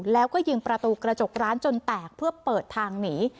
แล้วก็ยิงประตูกระจกร้านจนแตกเพื่อเปิดทางหนี